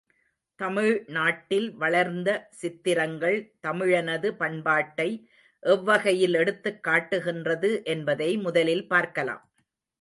தமிழ்நாட்டில், வளர்ந்த சித்திரங்கள் தமிழனது பண்பாட்டை எவ்வகையில் எடுத்துக் காட்டுகின்றது என்பதை முதலில் பார்க்கலாம்.